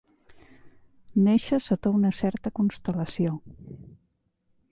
Néixer sota una certa constel·lació.